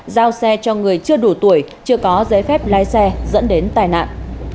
giao xe cho người chưa đủ tuổi chưa có giấy phép lái xe dẫn đến tai nạn